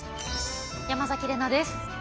山崎怜奈です。